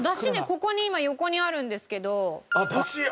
ここに今横にあるんですけど。